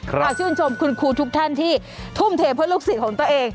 ขอชื่นชมคุณครูทุกท่านที่ทุ่มเทเพื่อลูกศิษย์ของตัวเอง